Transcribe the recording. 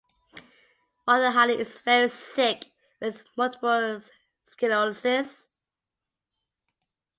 Father Halley is very sick with multiple sclerosis.